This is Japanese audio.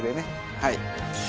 はい。